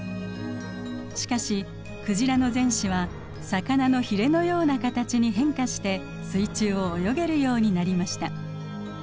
しかしクジラの前肢は魚のヒレのような形に変化して水中を泳げるようになりました。